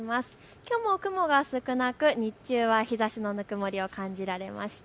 きょうも雲が少なく日中は日ざしのぬくもりを感じられました。